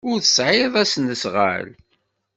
Ur tesɛiḍ asnasɣal.